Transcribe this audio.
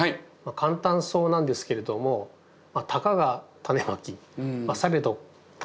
簡単そうなんですけれどもたかがタネまきされどタネまきと。